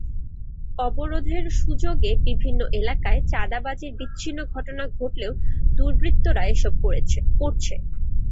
অবরোধের সুযোগে বিভিন্ন এলাকায় চাঁদাবাজির বিচ্ছিন্ন ঘটনা ঘটলেও দুর্বৃত্তরা এসব করছে।